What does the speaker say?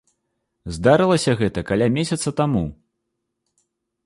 Здарылася гэта каля месяца таму.